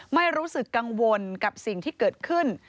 ไม่รู้สึกกังวลกับสิ่งที่เกิดขึ้น